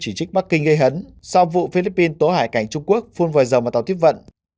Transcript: chỉ trích bắc kinh gây hấn sau vụ philippines tố hải cảnh trung quốc phun vào dòng ở tàu tiếp vận